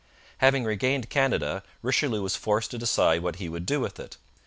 Having regained Canada, Richelieu was forced to decide what he would do with it.